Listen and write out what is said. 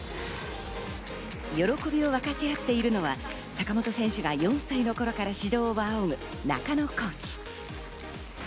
喜びを分かち合っているのは坂本選手が４歳の頃から指導を仰ぐ中野コーチ。